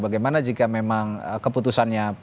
bagaimana jika memang keputusannya partai nasdem